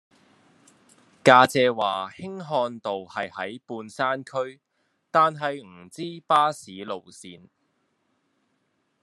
家姐話興漢道係喺半山區但係唔知巴士路線